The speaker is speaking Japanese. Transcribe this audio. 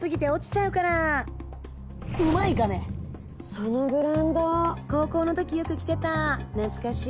「そのブランド高校の時よく着てた懐かしい」。